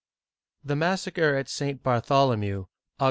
THE massacre of St. Bartholomew (Aug.